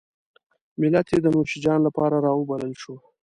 ملت یې د نوشیجان لپاره راوبلل شو.